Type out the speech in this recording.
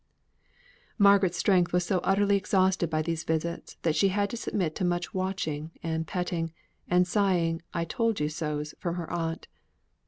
Margaret's strength was so utterly exhausted by these visits, that she had to submit to much watching and petting, and sighing "I told you so's," from her aunt.